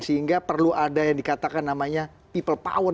sehingga perlu ada yang dikatakan namanya people power